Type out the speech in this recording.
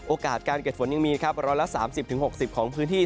โอกาสการเกิดฝนยังมี๑๓๐๖๐องศาเซียตของพื้นที่